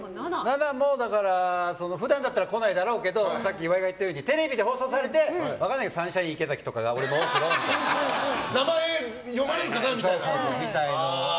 ７も、普段だったら来ないだろうけどさっき岩井が言ったようにテレビで放送されて分かんないけどサンシャイン池崎とかが名前読まれるかなみたいな。